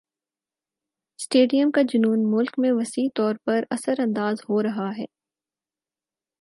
stadium کا جنون مُلک میں وسیع طور پر اثرانداز ہو رہا ہے